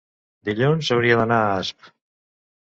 Dilluns hauria d'anar a Asp.